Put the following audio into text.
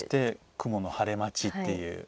雲の晴れ待ちっていう。